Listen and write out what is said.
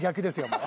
もう。